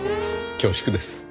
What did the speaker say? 恐縮です。